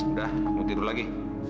udah mau tidur lagi